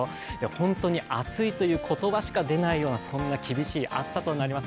本当に暑いという言葉しか出ないような厳し暑さとなっています。